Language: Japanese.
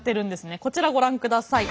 こちらをご覧ください。